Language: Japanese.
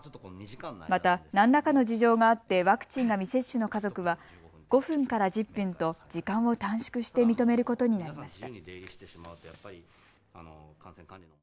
また何らかの事情があってワクチンが未接種の家族は５分から１０分と時間を短縮して認めることになりました。